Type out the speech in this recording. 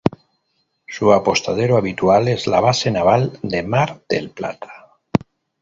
Su apostadero habitual es la Base Naval de Mar del Plata.